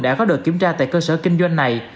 đã có được kiểm tra tại cơ sở kinh doanh này